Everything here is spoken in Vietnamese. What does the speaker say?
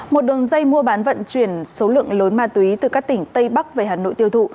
một đường dây mua bán vận chuyển số lượng lớn ma túy từ các tỉnh tây bắc về hà nội tiêu thụ